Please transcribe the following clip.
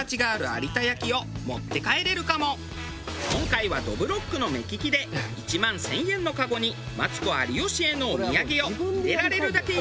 今回はどぶろっくの目利きで１万１０００円のカゴにマツコ有吉へのお土産を入れられるだけ入れる！